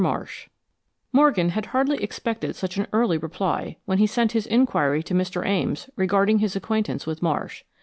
MARSH Morgan had hardly expected such an early reply when he sent his inquiry to Mr. Ames regarding his acquaintance with Marsh.